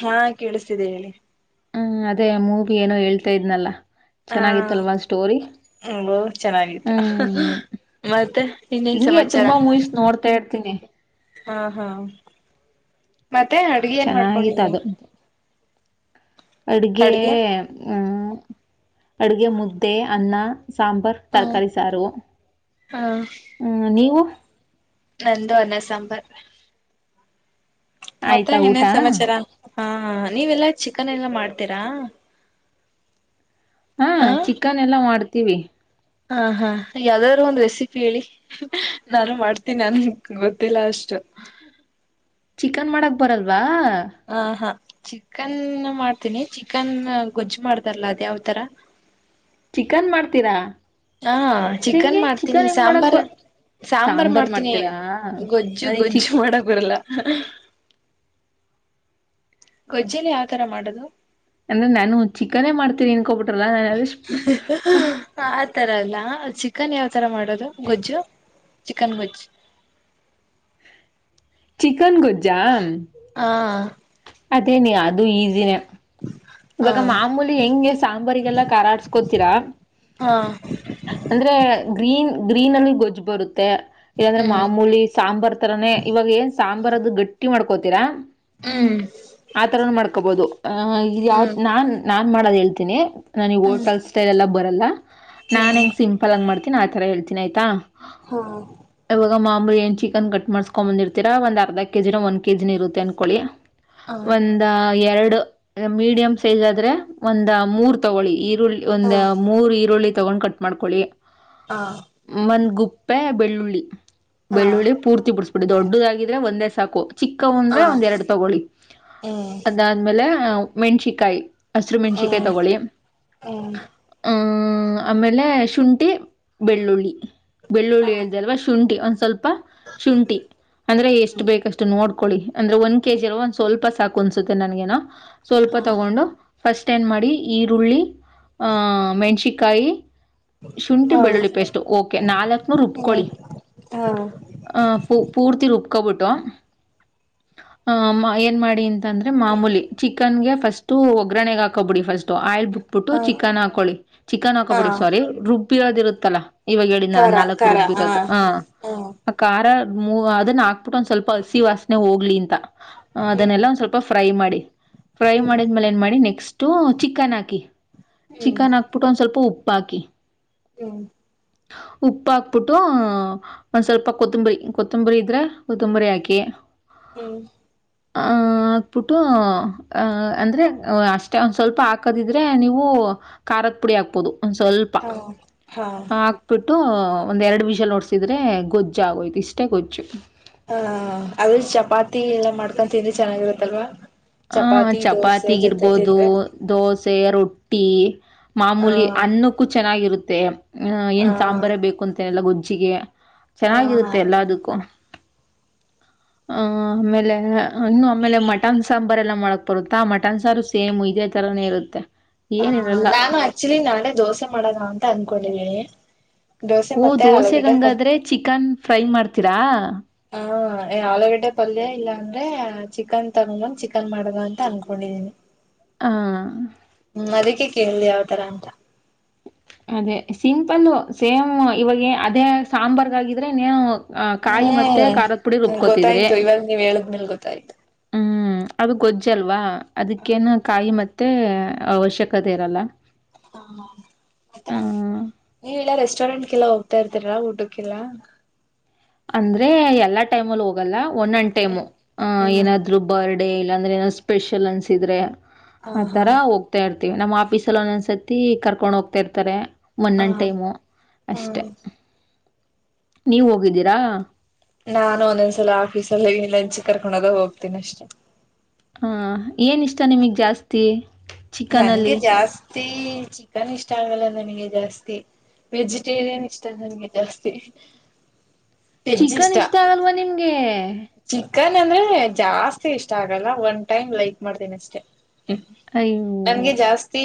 ಹಾ ಕೇಳಿಸ್ತಿದೆ ಹೇಳಿ ಹ್ಮ್ ಅದೇ ಮೂವಿ ಏನೋ ಹೇಳ್ತಾ ಇದ್ನಲ್ಲ ಹಾ ಚೆನ್ನಾಗಿತ್ತಲ್ವಂದ ಸ್ಟೋರಿ ಓ ಚೆನ್ನಾಗಿತ್ತು ಹ್ಮ್ ಮತ್ತೆ ಇನ್ನೇನ್ ಹಿಂಗೆ ಸಮಾಚಾರ ತುಂಬಾ ಮೂವೀಸ್ ನೋಡ್ತಾ ಇರ್ತೀನಿ ಹಾ ಹಾ ಮತ್ತೆ ಅಡ್ಗೆ ಏನ್ ಚೆನ್ನಾಗಿತ್ತು ಮಾಡ್ಕೊಂಡಿದ್ದೀರಾ ಅಡುಗೆ ಅಡುಗೆ ಮುದ್ದೆ ಅನ್ನ ಸಾಂಬಾರ್ ಹ್ಮ್ ತರಕಾರಿ ಸಾರು ಹಾ ಹು ನೀವು ನಂದು ಅನ್ನ ಸಾಂಬಾರ್ ಮತ್ತೆ ಆಯ್ತಾ ಊಟ ಇನ್ನೇನ್ ಸಮಾಚಾರ ಹಾ ನೀವೆಲ್ಲಾ ಚಿಕನ್ ಎಲ್ಲ ಮಾಡ್ತೀರಾ ಹಾ ಚಿಕನ್ ಎಲ್ಲಾ ಮಾಡ್ತೀವಿ ಹಾ ಹಾ ಯಾವ್ದಾದ್ರು ಒಂದ್ ರೆಸಿಪಿ ಹೇಳಿ ನಾನು ಮಾಡ್ತೀನಿ ನನ್ ಗೊತ್ತಿಲ್ಲ ಅಸ್ಟು [unintelligible] ಚಿಕನ್ ಮಾಡಕ್ ಬರಲ್ವಾ ಹ ಹಾ ಚಿಕನ್ ಮಾಡ್ತೀನಿ ಚಿಕನ್ ಗೊಜ್ಜು ಮಾಡ್ದಲ್ಲ ಅದ ಯಾವ್ತರ ಚಿಕನ್ ಮಾಡ್ತೀರಾ ಹಾ ಅದ್ ಚಿಕನ್ ಹೆಂಗೆ ಮಾಡ್ತೀನಿ ಚಿಕನ್ ಹೆಂಗ್ ಮಾಡಕ್ ಸಾಂಬಾರ್ ಬ ಸಾಂಬಾರ್ ಮಾಡ್ತೀನಿ ಗೊಜ್ಜು ನನಗ್ ಗೊಜ್ಜು ಚಿಕ್ ಮಾಡಕ್ ಬರಲ್ಲ [unintelligible] ಗೊಜ್ಜಲಿ ಯಾವತರ ಮಾಡದು ಅಂದ್ರೆ ನಾನು ಚಿಕನೇ ಮಾಡ್ತೀನ ನ್ಕೋಬಿಟ್ ಆತರ ಅಲ್ಲ ಚಿಕನ್ ಯಾವತರ ಮಾಡೋದು ಗೊಜ್ಜು ಚಿಕನ್ ಗೊಜ್ ಚಿಕನ್ ಗೊಜ್ಜಾ ಹಾ ಅದೇ ನೀ ಅದು ಈಸಿನೇ ಹಾ ಇವಾಗ ಮಾಮೂಲಿ ಹೆಂಗೆ ಸಾಂಬಾರಿಗೆಲ್ಲ ಕಾರಾಡ್ಸ್ಕೋತೀರಾ ಹಾ ಅಂದ್ರೆ ಗ್ರೀನ್ ಗ್ರೀನ್ ಅಲ್ಲಿ ಗೊಜ್ಜ್ ಬರುತ್ತೆ ಮತ್ತ ಇಲ್ಲಾಂದ್ರೆ ಹ್ಮ್ ಮಾಮೂಲಿ ಸಾಂಬಾರ್ ತರಾನೇ ಇವಾಗ ಏನ್ ಸಾಂಬಾರ್ ಅದು ಗಟ್ಟಿ ಮಾಡ್ಕೋತೀರಾ ಹ್ಮ್ ಆತರ ಮಾಡ್ಕೋಬಹುದು ಅ ಯ ಹ್ಮ್ ನಾನ್ ಮಾಡ ಹೇಳ್ತಿ ನ ಹೋಟಲ್ ಸ್ಟಲ್ ಎಲ್ಲ ಬರಲ್ಲ ನಾನ್ ಹೆ ಹ್ಮ್ ಸಿಂಪಲ್ ಮಾಡ್ತ ನಾ ಆ ತರ ಹೇಳ್ತೀನಿ ಆಯ್ತಾ ಹ್ಮ್ ಇವಾಗ ಮಾಮೂಲಿ ಎ ಚಿ ಚಿಕನ್ ಕಟ್ ಮಾಡಸ್ಕೊಂಡ್ ಬಂದಿರ್ತೀ ಒಂದ್ರ್ಧ ಕ ಕೆ ಜಿರ ಒಂದ ಕೆಜಿನ ಇರುತ್ತೆ ಅನ್ಕೊಳ್ಳಿ ಒಂದ ಎರಡು ಮೀಡಿಯಂ ಸೈಜ್ ಆದ್ರೆ ಒಂದ ಮೂರ್ ತಗೊಳ್ಳಿ ಈ ಈರುಳ್ಳಿ ಹಾ ಹಾ ಒಂದ ಮೂರು ಈರುಳ್ಳಿ ತಗೊಂಡ್ ಕಟ್ ಮಾಡ್ಕೊಳ್ಳಿ ಹಾ ಮಂದ ಗುಪ್ ಉಪ್ಪೆ ಬೆಳ್ಳುಳ್ಳಿ ಹಾ ಬೆಳ್ಳುಳ್ಳಿ ಪೂರ್ತಿ ಬಿುಡಿಸಬಿಟ್ಟು ದೊಡ್ಡದಾಗಿದ್ರೆ ಒಂದೇ ಸಾಕು ಚಿಕ್ಕವು ಅಂದ್ರೆ ಹಾ ಒಂದ್ ಎರಡು ತಗೊಳ್ಳಿ ಹ್ಮ್ ಅದಾದ್ಮೇಲೆ ಮೆಣಸಿಕಾಯಿ ಹಸಿರು ಮೆಣಸಿಕಾಯಿ ಹ್ಮ್ ತಗೊಳ್ಳಿ ಹ್ಮ್ ಹ್ಮ ಆಮೇಲೆ ಶುಂಠಿ ಬೆಳ್ಳುಳ್ಳಿ ಹಾ ಬೆಳ್ಳುಳ್ಳಿ ಹಾ ಹೇಳ್ದ ಅಲ್ವಾ ಶುಂಠಿ ಒ ಶುಂಠಿ ಅಂದ್ರೆ ಎಷ್ಟು ಬೇಕಷ್ಟು ನೋಡ್ ಕಿ ಅಂದ್ರೆ ಒಂದ್ ಕೆ ಜಿ ಅಲ್ವಾ ಒಂದ್ ಸ್ವಲ್ಪ ಸಾಕು ಅನ್ಸುತ್ತೆ ನನ್ಗೇನ ಸ್ವಲ್ಪ ತಗೊಂಡು ಫಸ್ಟ್ ಏನ್ ಮಾಡಿ ಈರುಳ್ಳಿ ಆ ಮೆಣ್ಸಕಾಯಿ ಶುಂಠಿ ಹಾ ಹ್ಮ್ ಬೆಳ್ಳುಳ್ಳಿ ಪೇಸ್ಟ್ಓಕೆ ನಾಲ್ಕನೂರು ರುಬ್ಕೊಳ್ಳಿ ಆ ಪೂರ್ತಿ ರೂಪ ಬಿಟ್ಟು ಏನ್ ಮಾಡಿ ಅಂತಂದ್ರೆ ಮಾಮೂಲಿ ಚಿಕನ್ಗೆ ಫಸ್ಟ್ ಒಗ್ಗರಣೆಗ್ ಹಾಕೋಬಿಡಿ ಫಸ್ಟ್ ಆಯಿಲ್ ಬಿಟ್ಬಿಟ್ಟು ಹಾ ಚಿಕನ್ ಹಾಕೊಳ್ಳಿ ಚಿಕನ್ ಹಾ ಹಾಕೋಬಿಡಿ ಹಾ ಸಾರಿ ರು ರುಬ್ಬಿರೋದ ಇರುತ್ತಲ್ಲಾ ಇವಾಗ ಹೇಳಿನ ಖಾರ ನಾಲ್ಕು ಖಾರ ಹಾ ರುಬ್ಬಿರೋದು ಹ ಹ್ಮ ಆ ಖಾರ ಅದನ್ನ ಹಾಕ್ಬಿಟ್ಟು ಒಂದ್ ಸ್ವಲ್ಪ ಹಸಿ ವಾಸನೆ ಹೋಗ್ಲಿ ಅಂತ ಅದನ್ನೆಲ್ಲ ಒಂದ್ ಹ್ಮ್ ಸ್ವಲ್ಪ ಫ್ರೈ ಮಾಡಿ [unintelligible] ಮಾಡಿದ್ಮೇಲೆ ಏನ್ ಮಾಡಿ ನೆಕ್ಸ್ಟ್ ಚಿಕನ್ ಹಾಕಿ ಚಿಕನ್ ಹಾಕ್ಬಿಟ್ಟು ಒಂದ ಸ್ವಲ್ಪ ಉ ಬಾಕಿ ಹ ಉಪ್ಪ ಹಾಕ್ಬಿಟ್ಟು ಒಂದ್ ಸ್ವಲ್ಪ ಕೊತ್ತಂಬರಿ ಕೊತ್ತಂಬರಿ ಇದ್ರೆ ಕೊತ್ತಂಬರಿ ಹಾಕಿ ಹ್ಮ್ ಆ ಹಕ್ಬಿಟ್ಟು ಆ ಅಂದ್ರೆ ಅಷ್ಟೇ ಒಂದ ಸ್ವಲ್ಪ ಹಾಕದಿದ್ರೆ ನೀವು ಖಾರದ ಪುಡಿ ಹಾಕ್ಬೋದು ಒಂದು ಸ್ವಲ್ಪ ಹಾ ಹಾ ಹಾಕ್ಬಿಟ್ಟು ಒಂದ ಎರಡು ವಿಷಯ ನೋಡ್ಸಿದ್ರೆ ಗೊಜ್ಜು ಆಗೋಯ್ತು ಇಷ್ಟೇ ಗೊಜ್ಜು ಹಾ ಅದ್ರಲ್ಲಿ ಚಪಾತಿ ಎಲ್ಲಾ ಮಾಡ್ಕೊ ತನ್ ಚೆನ್ನಾಗಿರತ್ತಲ್ವಾ ಹ ಚಪಾತಿಗಿರ್ಬೋದು ದೋಸೆ ರೊಟ್ಟಿ ಆ ಮಾಮೂಲಿ ಅನ್ನಕ್ಕೂ ಚೆನ್ನಾಗಿರುತ್ತೆ ಹ ಆ ಏನ್ ಸಾಂಬಾರ ಬೇಕು ಅಂತನೆಲ್ಲ ಗೊಜ್ಜಿಗೆ ಹ ಚೆನ್ನಾಗಿರುತ್ತೆ ಎಲ್ಲದಕ್ಕೂ ಆಹ ಆಮೇಲೆ ಇನ್ನು ಆಮೇಲೆ ಮಟನ್ ಸಾಂಬಾರ್ ಎಲ್ಲ ಮಾಡಕ್ ಬರುತ್ತಾ ಮಟನ್ ಸಾರು ಸೇಮು ಇದೇ ಥರನೇ ಇರುತ್ತೆ ಹ ಏನಿರಲ್ಲ ನಾನು ಆಕ್ಚುಲಿ ನಾಳೆ ದೋಸೆ ಮಾಡದ ಅಂತ ಅನ್ಕೊಂಡಿದ್ದೀನಿ ದೋಸೆ ಓ ಮತ್ತೆ ಆಲೂಗಡ್ಡೆ ದೋಸೆಗಂಗಾದ್ರೆ ಹ ಚಿಕನ್ ಫ್ರೈ ಮಾಡ್ತೀರಾ ಹಾ ಆಲೂಗಡ್ಡೆ ಪಲ್ಯ ಇಲ್ಲ ಅಂದ್ರೆ ಚಿಕನ್ ತಗೊಬಂದ್ ಚಿಕನ್ ಮಾಡ್ದ ಅಂತ ಅನ್ಕೊಂಡಿದೀನಿ ಹ ಮದಕ್ಕೆ ಕೇಳಿ ಯಾವ್ತರ ಅಂತ ಅದೇ ಸಿಂಪಲ್ ಸೇಮ್ ಇವಾಗ ಅದೇ ಸಾಂಬಾರ್ಗಾಗಿದ್ರೆನ್ನೇನು ಆ ಕಾಯಿ ಮತ್ತೆ ಹ್ಮ್ ಖಾರದ ಪುಡಿ ರುಬ್ಕೋತಿದ್ರಿ ಮಲ್ ಗೊತ್ತಾಯ್ತು ಹ್ಮ್ ಅದು ಗೊಜ್ಜ ಅಲ್ವಾ ಅದಕ್ಕೇನು ಕಾಯಿ ಮತ್ತೆ ಅವಶ್ಯಕತೆ ಇರಲ್ಲ ಹಾ ಹ್ಮ ಚರಣಂಡ್ಕಲ್ಲ ಹೋಗ್ತಾ ಇರ್ತೀರಾ ಊಟಕ್ಕೆಲ್ಲ ಅಂದ್ರೆ ಎಲ್ಲಾ ಟೈಮಲ್ಲಿ ಹೋಗಲ್ಲ ಒಂದನ್ ಟೈಮು ಅ ಹ್ಮ್ ಏನಾದ್ರು ಬರ್ಡ್ ಇಲ್ಲಾಂದ್ರೆ ಏ ಸ್ಪೆಷಲ್ ಅನ್ಸಿದ್ರೆ ಹಾ ಹಾ ಆತರ ಹೋಗ್ತಾ ಇ ನಮ್ಮ ಆಫೀಸ್ ಅಲ್ಲಿ ಒಂದೊಂದ್ಸತಿ ಕರ್ಕೊಂಡ ಹೋಗ್ತಾ ಇರ್ತಾರೆ. ಒನ್ ಹಾ ಒನ್ ಟೈಮು ಅಷ್ಟೆ. ಹ್ಮ್ ನೀವ ಹೋಗಿದ್ದೀರಾ. ನಾನು ಒಂದೊಂದ್ಸಲ ಆಫೀಸಲ್ಲಿನ್ ಲಂಚ್ ಕರ್ಕೊಂಡೋದಾಗ ಹೋಗ್ತೀನಿ ಅಷ್ಟೇ. ಹಾಂ ಏನ ಇಷ್ಟ ನಿಮಗೆ ಜಾಸ್ತಿ. ನನ್ಗೆ ಚಿಕನಲ್ಲಿ ಜಾಸ್ತಿ ಚಿಕನ್ ಇಷ್ಟ ಆಗಲ್ಲ ನನಗೆ ಜಾಸ್ತಿ. ವೆಜಿಟೇರಿಯನ್ ಇಷ್ಟ ನಂಗೆ ಜಾಸ್ತಿ. ಚಿಕನ್ ಇಷ್ಟ ಆಗಲ್ವಾ ನಿಮ್ಗೆ. ಚಕ್ಕನ್ ಅಂದ್ರೆ ಜಾಸ್ತಿ ಇಷ್ಟ ಆಗಲ್ಲ ಒನ್ ಟೈಮ್ ಲೈಕ್ ಮಾಡ್ತೀನಿ ಅಷ್ಟೇ. ಅಯ್ಯೋ ನನ್ಗೆ ಜಾಸ್ತಿ.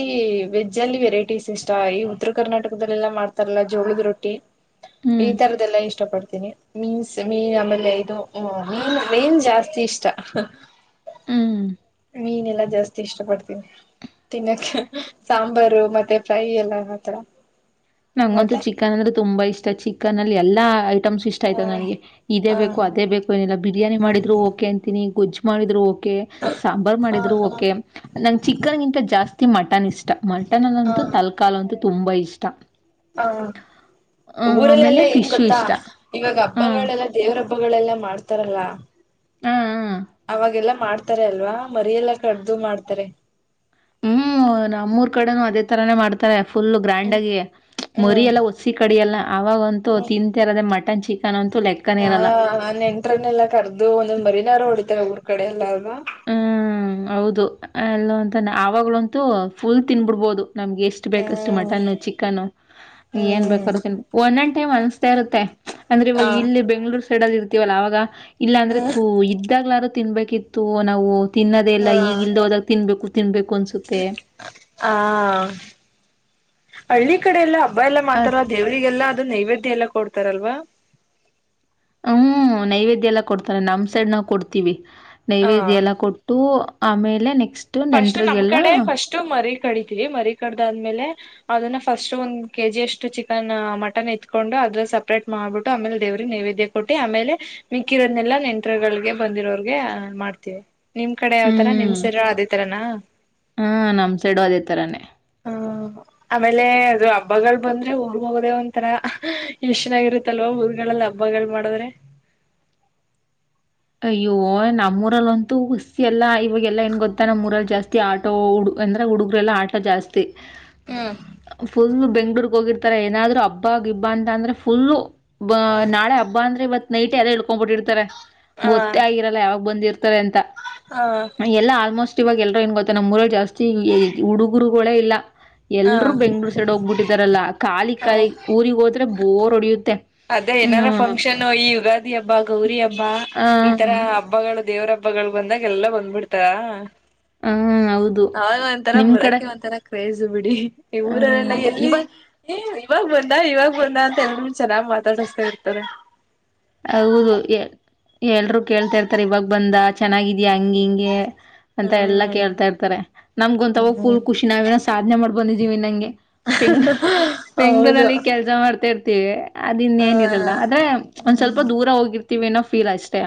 ವೆಜ್ ಅಲ್ಲಿ ವೆರೈಟೀಸ್ ಇಷ್ಟ ಈ ಉತ್ತರ ಕರ್ನಾಟಕದಲ್ಲೆಲ್ಲಾ ಮಾಡ್ತಾರಲ್ಲ ಜೋಳದ ರೊಟ್ಟಿ. ಹ್ಞೂ ಈ ತರದೆಲ್ಲಾ ಇಷ್ಟ ಪಡ್ತಾರೆ. ಮೀನ್ಸ್ ಮೀನ್ ಆಮೇಲೆ ಇದು ಹ ಮೀನ್ ರೇಂಜ್ ಜಾಸ್ತಿ ಇಷ್ಟ. ಹ್ಮ್. ಮೀನೆಲ್ಲಾ ಜಾಸ್ತಿ ಇಷ್ಟ ಪಡ್ತೀನಿ. ತಿನ್ನಕ್ಕೆ ಸಾಂಬಾರು ಮತ್ತೆ ಫ್ರೈ ಎಲ್ಲ ಆತರ. ನಂಗಂತೂ ಮತ್ತೆ ಚಿಕನ್ ಅಂದ್ರೆ ತುಂಬಾ ಇಷ್ಟ ಚಿಕನ್ ಅಲ್ಲಿ ಎಲ್ಲಾ. ಐಟಮ್ಸ್ ಇಷ್ಟ ಹ ಆಯ್ತು ನನಗೆ ಇದೇ ಹ ಬೇಕು ಅದೇ ಬೇಕು ಏನಿಲ್ಲ ಬಿರಿಯಿ ಮಾಡಿದರು ಹ್ಮ್ ಓಕೆ ಅಂತಿನಿ ಗೊಜ ಮಾಡಿದ್ರು. ಸಾಂಬಾರ್ ಹ ಮಾಡಿದ್ರು ಓಕೆ ಹ ನಂ ಚಿಕನ್ಗಿಂತ ಜಾಸ್ತಿ ಮಟನ್ ಇಷ್ಟ ಮಟನ್ ಅಲ್ಲಂತ. ತಲ್ಕಾಲು ಅಂತ ತುಂಬಾ ಇಷ್ಟ. ಹಾ ಆ ಆಮೇಲೆ ಊರಲ್ಲೆಲ್ಲಾ ಏನ್ ಫಿಶ್ಶು ಗೊತ್ತಾ ಇಷ್ಟ. ಇವಾಗ ಆ ಹಬ್ಬಗಳೆಲ್ಲಾ ದೇವ್ರ. ಹಬ್ಬಗಳೆಲ್ಲ ಮಾಡ್ತಾರಲ್ಲ ಆ ಆ ಅವಾಗೆಲ್ಲ. ಮಾಡ್ತಾರೆ ಅಲ್ವಾ ಮರಿಯೆಲ್ಲ ಕಡ್ದು ಮಾಡ್ತಾರೆ. ಹ್ಮ್ ನಮ್ಮೂರ್ ಕಡೆನೂ ಅದೇ ತರಾನೇ ಮಾಡ್ತಾರೆ. ಫುಲ್ ಗ್ರ್ಯಾಂಡ್ ಹ್ಮ್ ಆಗಿ ಮರಿಯ ಹ್ಮ್ ಎಲ್ಲ ಒಸಿ ಕಡಲ್ಲ ಅವಾಗಂತೂ ತಿಂತರದ ಮಟನ್ ಚ. ಹಾ ನೆಂಟ್ರನೆೆಲ್ಲಾ ಕರ್ದು ಒಂದೊಂದ್ ಮರಿನಾರ ಹೊಡಿತಾರೆ ಊರ್ ಕಡೆ ಎಲ್ಲಾರವಾ. ಹ್ಮ್ ಹೌದು ಎಲ್ಲ ಅಂತಾನೆ ಆವಾಗ್ಲಂತೂ ಫುಲ್ ತಿನ್ಬಿಡ್ಬೋದು. ನಮ್ಗೆ ಎಷ್ಟು ಬೇಕಷ್ಟು ಹ್ಮ್ ಮಟನ್ ಚಿಕನ್ನು ಏನ್ ಬೇಕ ಹ್ಮ್ ಒಂ ಟೈಮ್ ಅನಸ್ತಾ ಇರುತ್ತೆ ಅಂದ್ರೆ ಹ ಇವಾಗ ಇಲ್ಲಿ ಬೆಂಗ್ಗಳೂರು ಸೈಡ್ ಅಲ್ಲಿ ಇರ್ತೀವಲ್ಲ ಅವಾಗ. ಇಲ್ಲಾಂದ್ರೆ ಇದ್ದಾಗ್ಲಾರು ತಿನ್ಬೇಕಿತ್ತು ನಾವು ತಿನ್ನದೆ ಎಲ್ಲ ಹಾ ಈಗ ಇಲ್ದ ಹೋದಾಗ ತಿನ್ಬೇಕು. ತಿನ್ಬೇಕು ಅನ್ಸುತ್ತೆ. ಆ ಹಳ್ಳಿ ಕಡೆ ಎಲ್ಲಾ ಹಬ್ಬ ಎಲ್ಲಾ ಅದ್ ಮಾತಾರ ದೇವ್ರರಿಗೆಲ್ಲಾ. ಅದು ನೈವೇದ್ಯ ಎಲ್ಲ ಕೊಡ್ತಾರಲ್ವಾ. ಹ್ಮ್ ನೈವೇದ್ಯ ಎಲ್ಲ ಕೊಡ್ತಾರೆ ನಮ್ ಸೈಡ್ ನಾವ್ ಕೊಡ್ತೀವಿ. ಹ ನೈವೇದ್ಯ ಎಲ್ಲ ಕೊಟ್ಟು ಆಮೇಲೆ ನೆ. ಫಸ್ಟ್ ನಮ್ ಕಡೆ ಫಸ್ಟ್ ಮರಿ. ಕಡಿತವಿ ಮರಿ ಕಡ್ದಾದ್ಮೇಲೆ ಅದನ್ನ ಫಸ್ಟ್ ಒಂದ್ ಕೆ ಜಿ ಅಷ್ಟು ಚಿಕನ್ ಮಟನ್ ಎತ್ಕೊಂಡು. ಅದ್ರ ಸಪರೇಟ್ ಮಾಡ್ಬಿಟ್ಟು ಆಮೇಲೆ ದೇವ್ರಿಗೆ ನೈವೇದ್ಯ ಕೊಟ್ಟಿ ಆಮೇಲೆ ಮಿಕ್ಕಿರನ್ನೆಲ್ಲ ನಂತ್ರಗಳಿಗೆ ಬಂದಿರೋರು. ಮಾಡ್ತವಿ ನಿಮ್ ಕಡೆ ಯಾವರ ನಿಮ್ ಹ್ಮ್. ಸ. ನಾ ಹಾ. ನಮ್ ಸೈಡು ಅದೇ ತರಾನೇ. ಹ. ಆಮೇಲೆ ಅದು ಹಬ್ಬಗಳು ಬಂದ್ರೆ ಊರ್ ಹೋಗೋದೆೇ ಒಂಥರ ಎಷ್ಟನಾಗಿರುತ್ತಲ್ವ ಊರ್ಗಳಲ್ಲಿ ಹಬ್ಬ. ಹಬ್ಬಗಳು ಮಾಡಿದ್ರೆ. ಅಯ್ಯೋ ನಮ್ಮೂರಲ್ಲ ಅಂತೂ ಹುಸಿ ಎಲ್ಲಾ ಇವಾಗಲ್ಲಾ ಏನ್ ಗೊತ್ತ ನಮ್ಮ್ೂಊರಲ್ಲಿ ಜಾಸ್ತಿ ಆಟೋ ಉಡು. ಅಂದ್ರೆ ಹುಡುಗರೆಲ್ಲ ಆಟ ಜಾಸ್ತಿ. ಹ್ಮ್ ಫುಲ್ ಬೆಂಗ್ಳೂರ್ಗ್ ಹೋಗಿರ್ತಾರೆ ಏನಾದ್ರು ಹಬ್ಬಗ ಇಬ್ಬಾ ಅಂತ ಅಂದ್ರೆ ಫುಲ್ಲು. ಬ ನಾಳೆ ಹಬ್ಬ ಅಂದ್ರೆ ಇವತ್ ನೈಟ್ ಎಲ್ಲ ಇಳ್ಕೊಂಡ್ಬ ಬಿಟ್ಟಿರ್ತಾರೆ ಗೊತ್ತೇ ಹ ಆಗಿರಲ್ಲ ಯಾವಾಗ ಬಂದಿರ. ಅಂತ ಹ ಎಲ್ಲ ಆಲ್ಮೋಸ್ಟ್. ಇವಾಗ ಎಲ್ರೂ ಏನ್ ಗೊತ್ತೆ ನಮ್ಮ್ಊರ ಜಾಸ್ತಿ ಹುಡುಗರುಗಳೇ ಇಲ್ಲ. ಎಲ್ರುೂ ಬೆಂಗ್ಳೂರ್ ಸೆಡ್ ಹೋಗ್ಬಿಟ್ಟಿದಾರಲ್ಲಾ ಕಾಲಿ ಕಾಲಿ ಊರಿಗೆ ಹೋದ್ರೆ ಬೋರ್ ಹೊಡಿಯುತ್ತೆ. ಅದ ಏನಾದಾರ ಹ್ಮ್. ಫಂಕ್ಷನ್ ಈ ಯುಗಾದಿ ಹಬ್ಬ ಗೌರಿ ಹಬ್ಬಾ. ಆ. ಈತರ ಹಬ್ಬಗಳು ದೇವ್ರ ಹಬ್ಬಗಳು ಬಂದಾಗ ಎಲ್ಲ ಬಂದ್ಬಿಡ್ತಾ ಹೌದು ಬಂತರ ನಿಮ್ ಕಡೆ? ಬರಕಿ ಒಂತರ ಬೇಸು ಬಿಡಿ ಈ ಆ ಊರಲ್ಲೆಲ್ಲ ಎಲ್ಲಿ ಇವಾಗ ಎ ಇವಾಗ ಬಂದ ಇವಾಗ ಬಂದ ಅಂತ ಎಲ್ಲ ಚೆನ್ನಾಗ್ ಮಾತಾಡಸ್ತಾ ಇರ್ತಾರೆ ಹೌದು ಎಲ್ರು ಕೇಳ್ತಾ ಇರ್ತಾರೆ ಇವಾಗ ಬಂದ ಚೆನ್ನಾಗಿದ್ಯಾಾ ಹಂಗ ಹಿಂಗೆ ಅಂತ ಎಲ್ಲಾ ಹ್ಮ್ ಕೇಳ್ತಾ ಇರ್ತಾರೆ ನಮ್ಗೊಂತವಾಗ ಫುಲ್ ಹ್ಮ್ ಖುಷಿ ನಾವನ ಸಾಧ್ನೆ ಮಾಡ್ ಬಂದಿದೀ ವೆನಂಗೆ ಗ್ ಹೌದು ಪಿಂಗ್ನಲ್ಲಿ ಕೆಲ್ಸ ಮಾಡ್ತಾರ್ತ ಅದ ಇನ್ ಹ ಏನಿರಲ್ಲ ಆದ್ರೆ ಒಂದ್ ಸ್ವಲ್ಪ ಹ್ಮ್ ದೂರ ಹೋಗಿರ್ತಿೀವಿ ಅನ್ನೋ ಫೀಲ್ ಅಷ್ಟೇ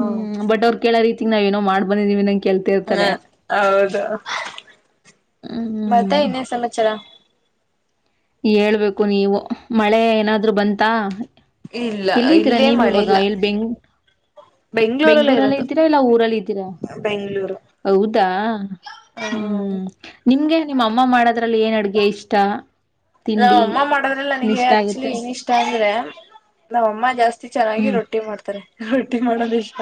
ಹ್ಮ್ ಬಟ್ ಅವ್ರು ಕೇಳೋ ರೀತಿ ನಾವ್ ಏನೋ ಮಾಡ್ ಬಂದಿದೀವಿ ನ ಹಾ ಹೌದು ಮತ್ತೆ ಹ್ಮ್ ಇನ್ನೇನ್ ಸಮಚಾರ ಹೇಳ್ಬೇಕು ನೀವು ಮಳೆ ಏನಾದ್ರು ಬಂತಾ ಇಲ್ಲ ಎಲ್ಲಿದಿರ ಇಲ್ಲೇ ನೀವ್ ಮಳೆ ಈವಾಗ ಇಲ್ಲ ಎಲ್ಲಿ ಬೆಂಗ್ ಬೆಂಗ್ಳೂರಲ್ಲೇ ಬೆಂಗಳೂರಲ್ಲೆ ಇರೋದು ಇದ್ದೀರಾ ಇಲ್ಲ ಊರಲ್ಲಿ ಇದ್ದೀರಾ ಹೌದಾ ಹ್ಮ ನಿಮ್ಮ ಅಮ್ಮ ಮಾಡೋದ್ರಲ್ಲಿ ಏನ್ ಅಡ್ಗೆ ಇಷ್ಟ ನಾವ್ ತಿಂಡಿ ಅಮ್ಮ ಮಾಡೋದ್ರಲ್ಲಿ ಏನ್ ನನಗೆ ಇಷ್ಟ ಆಕ್ಚುಲಿ ಆಗುತ್ತೆ? ಏನ್ ಇಷ್ಟ ಅಂದ್ರೆ ನಮ್ಮ ಅಮ್ಮ ಜಾಸ್ ಚೆನ್ನಾಗಿ ಹ್ಮ್ ರೊಟ್ಟಿ ಮಾಡ್ತಾರೆ ರೊಟ್ಟಿ ಮಾಡೋದ ಇಷ್ಟ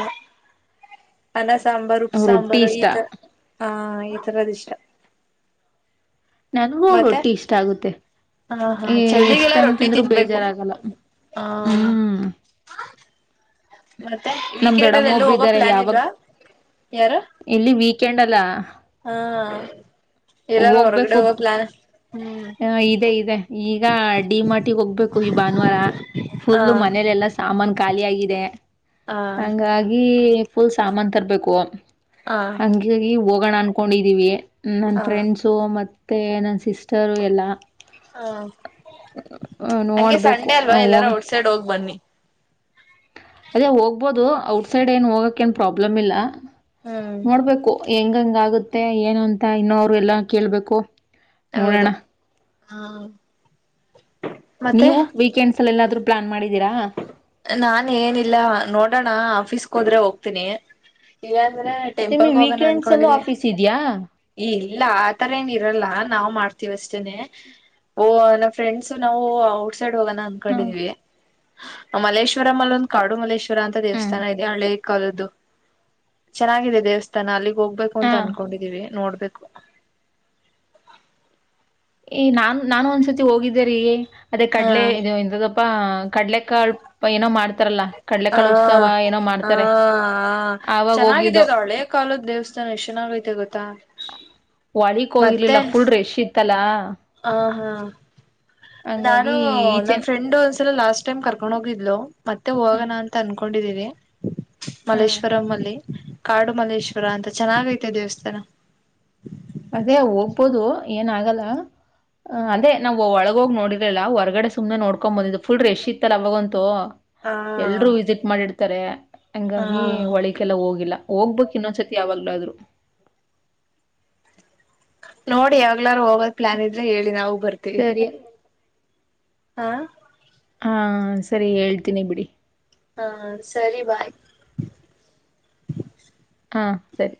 ಅನ ಸಾಂಬಾರ ಉಪ್ಪ ರೊಟ್ಟಿ ಸಾಂಬಾರು ಇಷ್ಟ ಈತರ ಹ ಈ ತರ ದಿಸ್ಟ ನನ್ಗೂ ರೊಟ್ಟಿ ಇಷ್ಟ ಆಗುತ್ತೆ. ಹ ಹಾ ಎಷ್ಟ್ ಚಳಿಗೆಲ್ಲ ಟೈಮ್ ರೊಟ್ಟಿ ತಿಂದ್ರೂ ತಿನ್ಬೇಕು ಬೇಜಾರಾಗಲ್ಲ ಹ್ಮ್ ಹ ಮತ್ತೆ ನಮ್ ವೀಕೆಂಡ್ ಅಲ್ಲಿ ದೊಡ್ಡಮ್ಮ ಎಲ್ಲೂ ಒಬ್ರು ಹೋಗೋ ಇದ್ದಾರೆ ಪ್ಲಾನ್ ಯಾವಾಗ ಇಲ್ವಾ ಯಾರು ಇಲ್ಲಿ ವೀಕೆಂಡ್ ಅಲ್ಲ ಹಾ ಎಲ್ಲಾರೂ ಹೊರಗಡೆ ಹೋಗ್ಬೇಕು ಹೋಗೊ ಪ್ಲಾನ್ ಹ್ಮ್ ಹ ಇದೆ ಇದೆ ಈಗ ಡಿಮಾರ್ಟ್ಗೆ ಹೋಗ್ಬೇಕು ಈ ಭಾನುವಾರ ಹ ಫುಲ್ಲು ಮನೇಲೆ ಎಲ್ಲಾ ಸಾಮಾನ ಖಾಲಿ ಆಗಿದೆ ಹ ಹಂಗಾಗಿ ಫುಲ್ ಸಾಮಾನ ತರಬೇಕು ಹ ಹಂಗಿಗ ಹೋಗೋಣ ಅನ್ಕೊಂಡಿದಿವಿ ನನ್ ಹ ಫ್ರೆಂಡ್ಸ ಮತ್ತೆ ನನ್ ಸಿಸ್ ರು ಎಲ್ಲ ಹ ಹ ಹಂಗೆ ನೋಡ್ಬೇಕು ಸಂಡೆ ಅಲ್ವಾ ಹ ಎಲ್ಲಾರ ಹೋಗ ಔಟ್ ಸೈಡ್ ಹೋಗ್ ಬನ್ನಿ ಅದೇ ಹೋಗ್ಬೋದು ಔಟ್ಸೈಡ್ ಏನ್ ಹೋಗಕ ಏನ್ ಪ್ರಾಬ್ಲಮ್ ಇಲ್ಲ ಹ್ಮ್ ನೋಡ್ಬೇಕು ಹೆಂಗಂಗ ಆಗುತ್ತೆ ಏನ ಅಂತ ಇನ್ನೊ ಎಲ್ಲಾ ಕೇಳ್ಬೇಕು ಹೌದು ನೋಡೋಣ ಹಾ ಮತ್ತೆ ನೀವು ವೀಕೆಂಡ್ಸ್ ಎಲ್ಲ ಎಲ್ಲಾದ್ರು ಪ್ಲಾನ್ ಮಾಡಿದೀರಾ ನಾ ಏನಿಲ್ಲ ನೋಡೋಣ ಆಫೀಸ್ಗೆ ಹೋದ್ರೆ ಹೋಗ್ತೀನಿ ಇ ಅಂದ್ರೆ ನಿಮ್ಗೆ ಟೆಂಪಲ್ಗ ಹೋಗಣ ವೀಕೆಂಡ್ಸ್ ಅಲ್ಲೂ ಅಂದಕೊಂಡಿದವಿ ಆಫೀಸ್ ಇದ್ಯಾ? ಈ ಇಲ್ಲ ಆತರ ಏನ ಇರಲ್ಲ ನಾವ್ ಮಾಡ್ತೀವಷ್ಟೇನೆ ಓ ನಮ್ಮ ಫ್ರೆಂಡ್ಸ ನಾವು ಔಟ್ಸೈಡ್ ಹೋಗೋಣ ಹ ಅಂದಕೊಂಡಿದೀವಿ ಮಲೇಶ್ವರ ಅಲ್ಲಿ ಒಂದು ಕಾಡು ಮಲೇಶ್ವರ ಅಂತ ಹ್ಮ್ ದೇವಸ್ಥಾನ ಇದೆ ಹಳೆ ಕಾಲದು ಚೆನ್ನಾಗಿದೆ ದೇವಸ್ಥಾನ ಅಲ್ಲಿಗ್ ಹೋಗ್ಬೇಕು ಅಂತ ಹಾ ಅನ್ಕೊಂಡಿದೀವಿ ನೋಡ್ಬೇಕು ಈ ನಾನ್ ನಾನು ಒಂದ್ಸತಿ ಹೋಗಿದ್ದೆ ರೀ ಅದೇ ಕಡಲೆ ಹಾ ಇ ಕಡ್ಲೆಕ್ಕ ಅಳಪ ಏನೋ ಮಾಡ್ತ ಹ ಹ ಆವಾಗ ಚೆನ್ನಾಗಿದೆ ಹೋಗಿದ್ದೋ ಅದ ಒಳ್ಳೆ ಕಾಲದ ದೇವಸ್ಥಾ ಎಷನಾಗಯ್ತೆ ಗೊತ್ತಾ ವಳಿಕ್ ಮತ್ತೆ ಹೋಗಿರ್ಲಿಲ್ಲ ಫುಲ್ ರೆಶ್ ಇತ್ತಲ್ಲಾ ಹ ಹಾ ನಾನು ಹಂಗಾಗಿ ನನ್ ಈಚೆನೆ ಫ್ರೆಂಡು ಲಾಸ್ಟ್ ಟೈಮ್ ಕರ್ಕೊಂಡ್ ಹೋಗಿದ್ಲು ಮತ್ತೆ ಹೋಗಣ ಹ್ಮ್ ಅಂತ ಅನ್ಕೊಂಡಿದಿವಿ. ಮಲ್ಲೇಶ್ವರಂ ಅಲ್ಲಿ ಕಾಡುಮಲ್ಲೇಶ್ವರ ಅಂತ ಚೆನ್ನಾಗೈತೆ ದೇವಸ್ಥಾನ ಅದೇ ಹೋಗ್ಬೋದು ಏನಗಲ್ಲ ಅದೇ ನಾವು ಒಳಗ ಆಗೋಗ್ ನೋಡಿದ್ರಲಲ್ಲ ಹೊರಗಡೆ ಸುಮ್ನೆ ನೋಡ್ಕೊ್ ಬಂದಿದ್ದ ಫುಲ್ ರೆಶ ಇಲ್ಲ ಅವಾಗಂತೂ ಹ ಎಲ್ರೂ ವಿಸಿಟ್ ಮಾಡಿರ್ತಾರೆ ಹ ಹಂಗಾಗಿ ಹೊಳಿಕಲ್ಲ ಹೋಗಿಲ್ಲ ಹೋಗ್ಬೇಕಕ್ ಇನ್ನೊ್ಸತಿ ಯಾವಾಗ್ಲಾದ್ರು ನೋಡಿ ಯಾವಾಗ್ಲಾರು ಹೋಗೋದ್ ಪ್ಲಾನ್ ಇದ್ರೆ ಹೇಳಿ ನಾವವು ಬರ್ತೀವಿ ಸರಿ ಹಾ ಹಾ ಸರಿ ಹೇಳ್ತೀನಿ ಬಿಡಿ ಹಾ ಸರಿ ಬಾಯ್ ಹಾ ಸರಿ